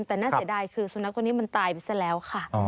แต่น่าเสียดายคือสุนัขตัวนี้มันตายไปซะแล้วค่ะ